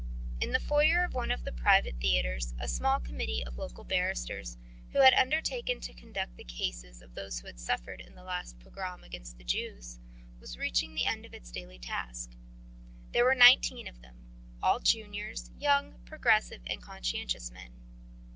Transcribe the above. In the foyer of one of the private theatres a small committee of local barristers who had undertaken to conduct the cases of those who had suffered in the last pogrom against the Jews was reaching the end of its daily task. There were nineteen of them, all juniors, young, progressive and conscientious men.